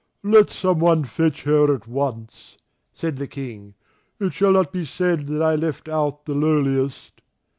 "Let someone fetch her at once," said the King; "it shall not be said that I left out the lowliest."